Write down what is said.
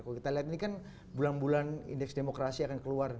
kalau kita lihat ini kan bulan bulan indeks demokrasi akan keluar